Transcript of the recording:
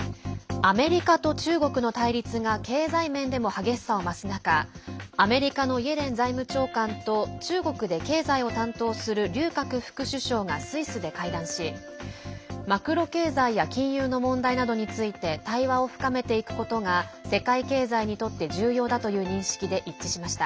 アメリカと中国の対立が経済面でも激しさを増す中アメリカのイエレン財務長官と中国で経済を担当する劉鶴副首相がスイスで会談しマクロ経済や金融の問題などについて対話を深めていくことが世界経済にとって重要だという認識で一致しました。